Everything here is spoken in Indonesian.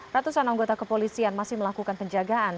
ratusan anggota kepolisian masih melakukan penjagaan